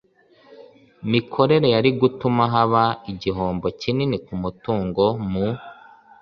mikorere yari gutuma haba igihombo kinini ku mutungo mu